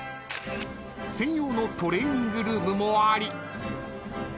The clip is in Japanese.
［専用のトレーニングルームもあり］